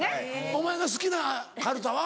お前が好きなかるたは？